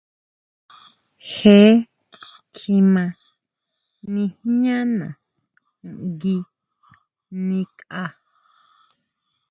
Jee kjima nijñana ngui nikʼa.